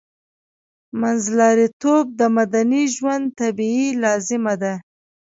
منځلاریتوب د مدني ژوند طبیعي لازمه ده